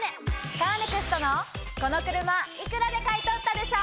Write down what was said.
カーネクストのこの車幾らで買い取ったでしょ！